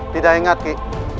tidak ingat ki